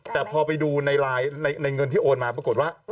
แต่พอไปดูในเงินที่โอนมาปรากฏว่า